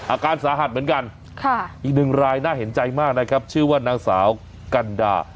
อาการสาหัสเหมือนกันอีกหนึ่งรายน่าเห็นใจมากนะครับชื่อว่านางสาวกันดา